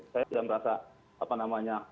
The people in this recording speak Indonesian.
saya tidak merasa apa namanya